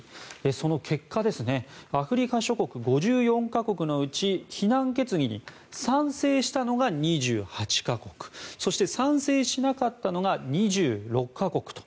その結果アフリカ諸国５４か国のうち非難決議に賛成したのが２８か国そして賛成しなかったのが２６か国と。